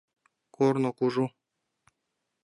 Корно кужу.